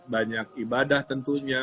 banyak ibadah tentunya